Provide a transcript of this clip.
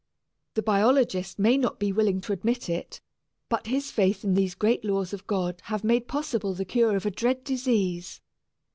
The biologist may not be willing to admit it, but his faith in these great laws of God have made possible the cure of a dread disease.